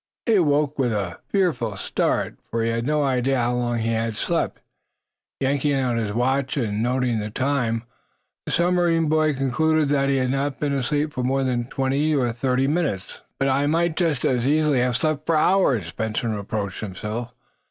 He awoke with a fearful start, for he had no idea how long he had slept. Yanking out his watch and noting the time, the submarine boy concluded that he had not been asleep more than twenty or thirty minutes. "But I might just as easily have slept for hours," Benson reproached himself.